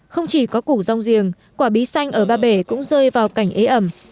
không chỉ có củ rong giềng quả bí xanh ở ba bể cũng rơi vào cảnh ế ẩm